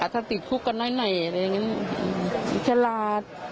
ถ้าติดคุกกันหน่อยอะไรอย่างนี้ฉลาด